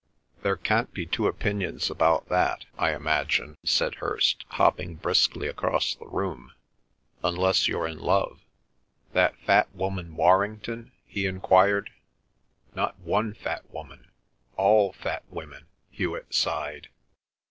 "There can't be two opinions about that, I imagine," said Hirst, hopping briskly across the room, "unless you're in love—that fat woman Warrington?" he enquired. "Not one fat woman—all fat women," Hewet sighed.